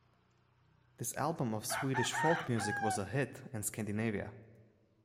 This album of Swedish folk music was a hit in Scandinavia.